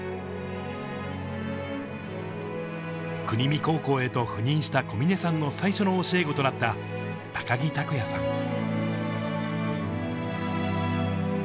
国見高校へと赴任した小嶺さんの最初の教え子となった高木琢也さん。